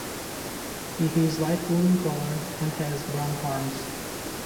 He is light blue in colour and has brown horns.